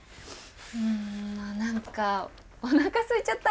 うん何かおなかすいちゃった。